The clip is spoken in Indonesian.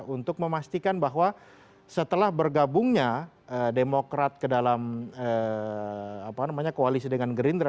untuk memastikan bahwa setelah bergabungnya demokrat ke dalam koalisi dengan gerindra